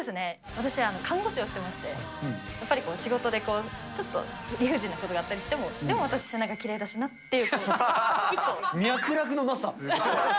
私、看護師をしてまして、やっぱり、仕事でちょっと理不尽なことがあったりしても、でも私、背中きれ脈絡のなさ。